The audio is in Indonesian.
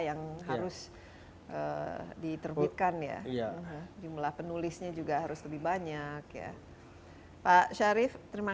yang harus diterbitkan ya jumlah penulisnya juga harus lebih banyak ya pak syarif terima